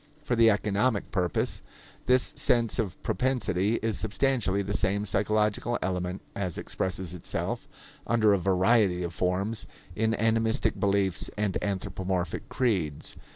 For the economic purpose, this sense of propensity is substantially the same psychological element as expresses itself, under a variety of forms, in animistic beliefs and anthropomorphic creeds.